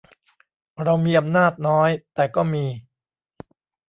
เรามีอำนาจน้อย แต่ก็มี